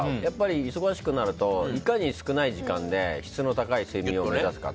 忙しくなるといかに少ない時間で質の高い睡眠をとれるか。